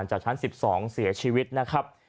จากชั้น๑๒เสียชีวิตนะครับ